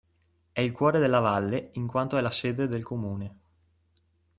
È il cuore della valle in quanto è la sede del comune.